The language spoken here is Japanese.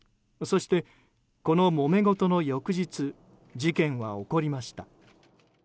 そして、このもめごとの翌日事件は起こりました。